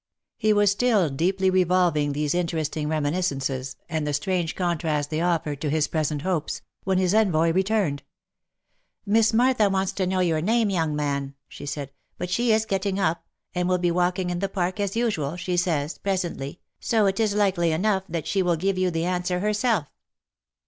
He was still deeply revolving these interesting reminiscences, and the strange contrast they offered to his present hopes, when his envoy returned —" Miss Martha wants to know your name, young man," she said, "but she is getting up, and will be walking in the park as usual, she says, presently, so it is likely enough that she will give you the answer herself."